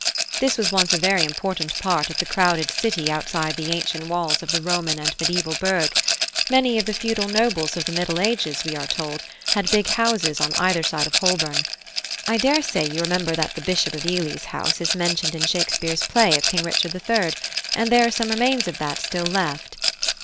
This was once a very important part of the crowded city outside the ancient walls of the Roman and Mediaeval burg: many of the feudal nobles of the Middle Ages, we are told, had big houses on either side of Holborn. I daresay you remember that the Bishop of Ely's house is mentioned in Shakespeare's play of King Richard III.; and there are some remains of that still left.